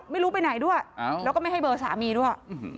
ไม่รู้ไปไหนด้วยแล้วก็ไม่ให้เบอร์สามีด้วย